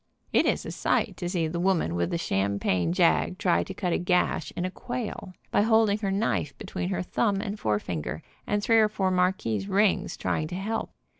It is a sight to see the woman with the champagne jag try to cut a gash in a quail, by holding She thought oysters were pretty sour. her knife between her thumb and forefinger, and three or four marquise rings trying to help.